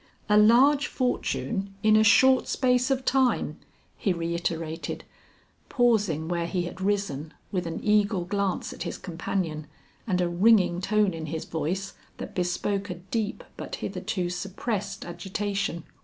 "A large fortune in a short space of time!" he reiterated, pausing where he had risen with an eagle glance at his companion and a ringing tone in his voice that bespoke a deep but hitherto suppressed agitation.